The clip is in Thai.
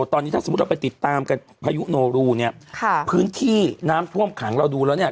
ตอนนี้ถ้าสมมุติเราไปติดตามกันพายุโนรูเนี่ยค่ะพื้นที่น้ำท่วมขังเราดูแล้วเนี่ย